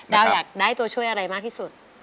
อยากได้ตัวช่วยอะไรมากที่สุด